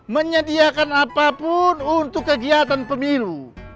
menyediakan apapun untuk kegiatan pemilu